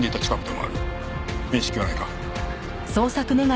面識はないか？